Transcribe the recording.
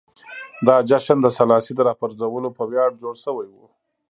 دا جشن د سلاسي د راپرځولو په ویاړ جوړ شوی و.